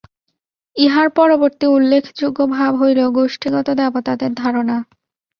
ইহার পরবর্তী উল্লেখযোগ্য ভাব হইল গোষ্ঠীগত দেবতাদের ধারণা।